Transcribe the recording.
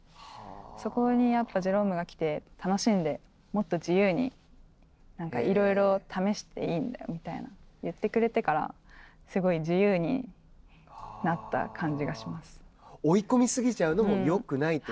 そこにジェロームが来て楽しんで、もっと自由にいろいろ試していいんだみたいなことを言ってくれてからすごい自由になった感じが追い込みすぎちゃうのもはい、